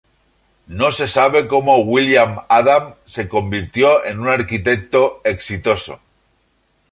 No se sabe cómo William Adam se convirtió en un arquitecto exitoso.